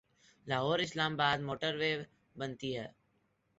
Lahore Islamabad motorway بنتی ہے۔